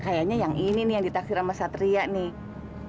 kayaknya yang ini nih yang ditaksir sama satria nih